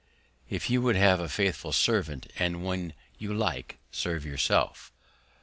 _ If you would have a faithful Servant, and one that you like, serve yourself.